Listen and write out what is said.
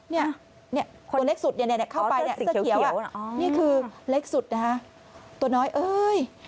เนี่ยตัวเล็กสุดเข้าไปเส้นเขียวนี่คือเล็กสุดตัวน้อยเอ้ย